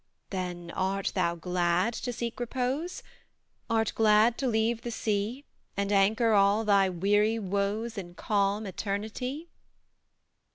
"Then art thou glad to seek repose? Art glad to leave the sea, And anchor all thy weary woes In calm Eternity?